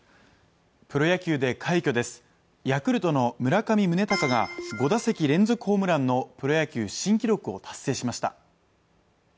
プロ野球で快挙ですヤクルトの村上宗隆が５打席連続ホームランのプロ野球新記録を達成しました